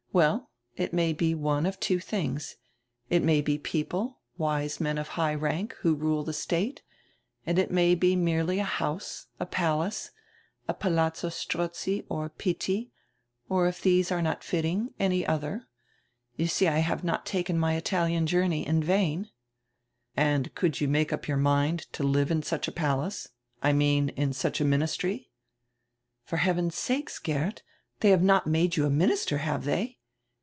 Well, it may be one of two things. It may be people, wise men of high rank, who rule die state; and it may be merely a house, a palace, a Palazzo Strozzi or Pitti, or, if diese are not fitting, any other. You see I have not taken my Italian journey in vain." "And could you make up your mind to live in such a palace? I mean in such a ministry?" "For heaven's sake, Geert, they have not made you a minister, have they?